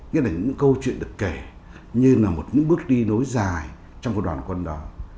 nghĩa là những câu chuyện được kể như là một những bước đi nối dài trong một đoàn quân đó